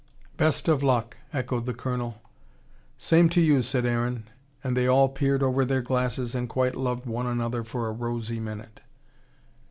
"Best of luck " echoed the Colonel. "Same to you," said Aaron, and they all peered over their glasses and quite loved one another for a rosy minute.